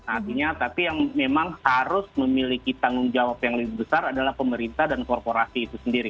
artinya tapi yang memang harus memiliki tanggung jawab yang lebih besar adalah pemerintah dan korporasi itu sendiri